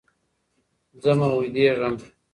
ځمه ويدېږم